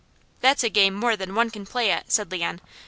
"That's a game more than one can play at," said Leon.